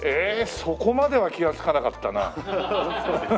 ええっそこまでは気がつかなかったな。